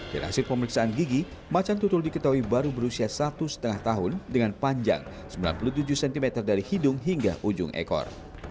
dari hasil pemeriksaan gigi macan tutul diketahui baru berusia satu lima tahun dengan panjang sembilan puluh tujuh cm dari hidung hingga ujung ekor